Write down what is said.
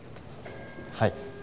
はい。